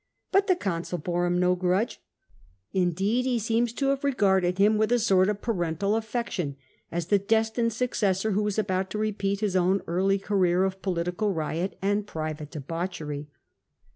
But the consul bore him no grudge ; indeed he seems to have regarded him with a sort of parental affection, as the destined successor who was about to repeat his own early career of political riot and private debauchery.